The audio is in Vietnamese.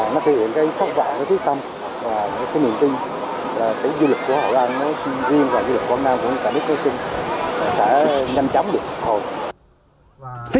nó thể hiện cái phát vọng cái quyết tâm và cái niềm tin là cái du lịch của hội an nó riêng và du lịch của hội nam cũng như cả nước nói chung sẽ nhanh chóng được sụp hồi